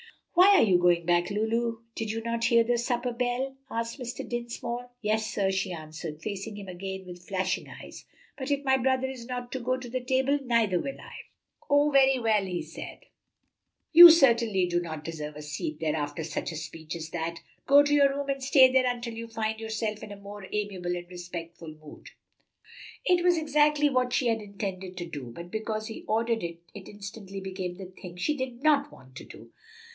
"Why are you going back, Lulu? did you not hear the supper bell?" asked Mr. Dinsmore. "Yes, sir," she answered, facing him again with flashing eyes, "but if my brother is not to go to the table neither will I." "Oh, very well," he said; "you certainly do not deserve a seat there after such a speech as that. Go to your own room and stay there until you find yourself in a more amiable and respectful mood." It was exactly what she had intended to do, but because he ordered it, it instantly became the thing she did not want to do.